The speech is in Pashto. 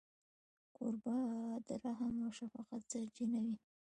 کوربه د رحم او شفقت سرچینه وي.